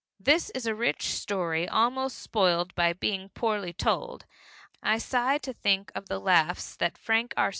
This is a rich story almost spoiled by being poorly told. I sigh to think of the laughs that Frank R.